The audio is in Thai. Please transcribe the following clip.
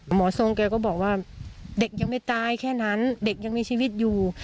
หมอทรงแกก็บอกว่าเด็กยังไม่ตายแค่นั้นเด็กยังมีชีวิตอยู่